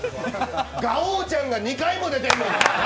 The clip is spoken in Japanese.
ガオちゃんが２回も出てるのに。